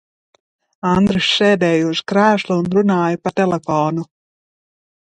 Andris sēdēja uz krēsla un runāja pa telefonu.